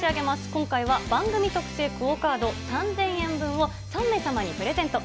今回は番組特製クオカード３０００円分を３名様にプレゼント。